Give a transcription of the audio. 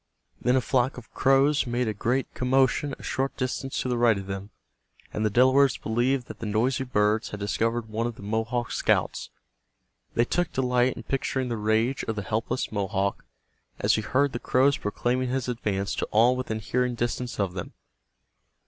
Then a flock of crows made a great commotion a short distance to the right of them, and the Delawares believed that the noisy birds had discovered one of the Mohawk scouts. They took delight in picturing the rage of the helpless Mohawk as he heard the crows proclaiming his advance to all within hearing distance of them.